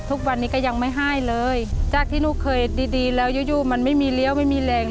ทุกวันนี้ก็ยังไม่ให้เลยจากที่ลูกเคยดีแล้วอยู่มันไม่มีเลี้ยวไม่มีแรง